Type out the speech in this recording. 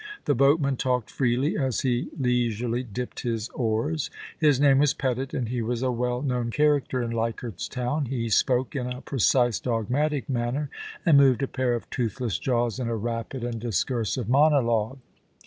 The boatman talked freely as he leisurely dipped his oars. His name was Pettit, and he was a well known character in Leichardt's Town. He spoke in a precise, dogmatic manner, and moved a pair of toothless jaws in a rapid and discursive monologue.